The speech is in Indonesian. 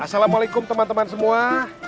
assalamualaikum teman teman semua